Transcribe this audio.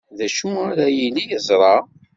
D acu ara yili yeẓra?